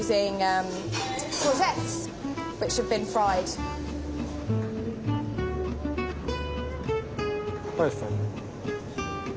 はい。